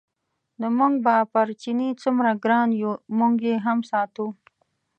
نو موږ به پر چیني څومره ګران یو موږ یې هم ساتو.